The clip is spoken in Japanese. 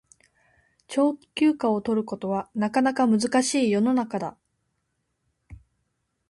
長期休暇を取ることはなかなか難しい世の中だ